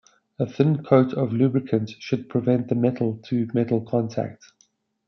A thin coat of lubricant should prevent the metal to metal contact.